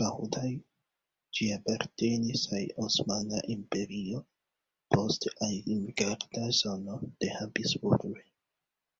Baldaŭe ĝi apartenis al Osmana Imperio, poste al limgarda zono de Habsburgoj.